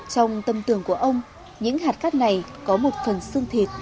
trong tâm tường của ông những hạt cát này có một phần xương thịt